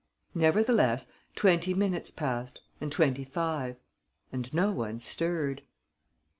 Nevertheless, twenty minutes passed and twenty five; and no one stirred.